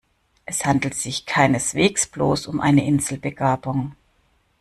Es handelt sich keineswegs bloß um eine Inselbegabung.